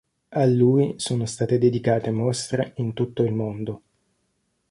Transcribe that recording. A lui sono state dedicate mostre in tutto il mondo.